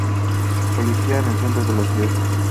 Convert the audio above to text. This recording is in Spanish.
Policía: en el centro de la ciudad.